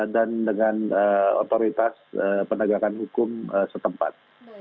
dan dengan otoritas penegakan hukum setempat